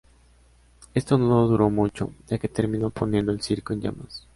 Esto no duró mucho, ya que terminó poniendo el circo en llamas.